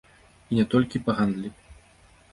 І не толькі па гандлі.